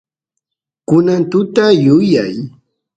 kunan tuta yuyay